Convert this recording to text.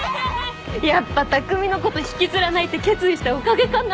やっぱ匠のこと引きずらないって決意したおかげかな？